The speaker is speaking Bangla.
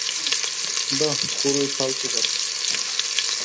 বাহ, পুরোই ফালতু কারবার।